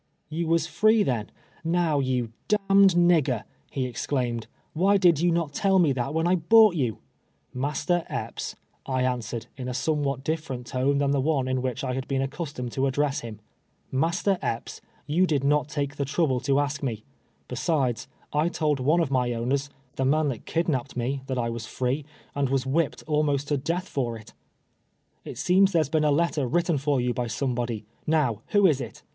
" You was free, then. Now you d d nigger," he exclaimed, " why did you not tell me that when I bought you '." "Master Epps," I answered, in a somewhat differ ent tone tlum the one in which I had been accustomed to address him —^ Master Epps, you did not take the trouble to ask me ; besides, I told one of my owners — the man that kidnapped me — that I was free, and was whipped almost to death for it." " It seems there has been a letter wi'itten for you by somebody. Xow, who is it